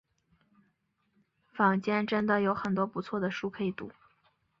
坊间真的有很多不错的书可以读